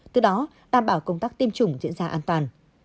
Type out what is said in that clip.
từ đó đảm bảo công tác tiêm chủng diễn ra an toàn